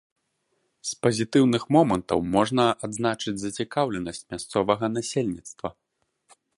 З пазітыўных момантаў можна адзначыць зацікаўленасць мясцовага насельніцтва.